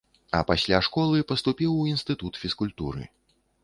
А пасля школы паступіў у інстытут фізкультуры.